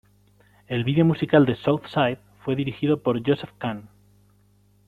El video musical de "South side" fue dirigido por Joseph Kahn.